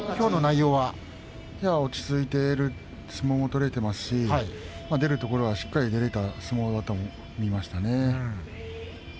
落ち着いて相撲が取れていますし出るところはしっかり出られた相撲でしたね。